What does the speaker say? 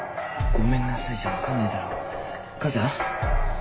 ごめんなさいじゃ分かんねえだろ母さん？